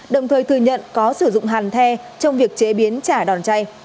đồng thời thừa nhận có sử dụng hàn the trong việc chế biến chả đòn chay